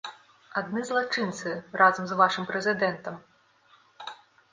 Адны злачынцы, разам з вашым прэзідэнтам!